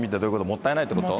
もったいないってこと？